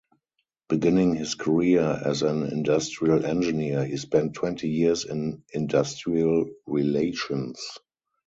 Beginning his career as an industrial engineer, he spent twenty years in industrial relations.